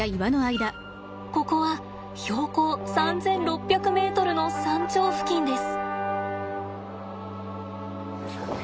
ここは標高３，６００ｍの山頂付近です。